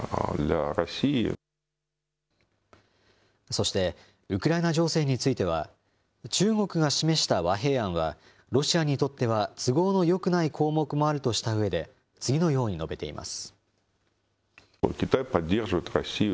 そして、ウクライナ情勢については、中国が示した和平案は、ロシアにとっては、都合のよくない項目もあるとしたうえで、次のように述べています。